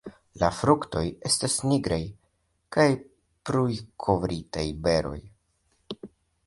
La fruktoj estas nigraj kaj prujkovritaj beroj.